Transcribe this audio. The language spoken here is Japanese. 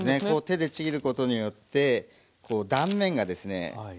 こう手でちぎることによって断面がですね